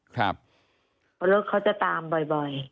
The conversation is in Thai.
เพราะรถเขาจะตามบ่อย